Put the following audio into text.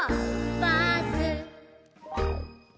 バス」